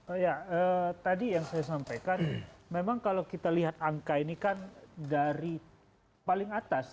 oh ya tadi yang saya sampaikan memang kalau kita lihat angka ini kan dari paling atas